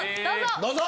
どうぞ！